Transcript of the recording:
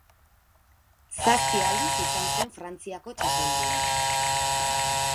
Zazpi aldiz izan zen Frantziako txapeldun.